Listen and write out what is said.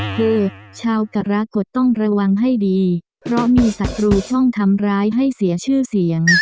คือชาวกรกฎต้องระวังให้ดีเพราะมีศัตรูช่องทำร้ายให้เสียชื่อเสียง